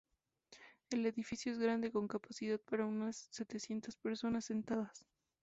El edificio es grande, con capacidad para unas setecientas personas sentadas.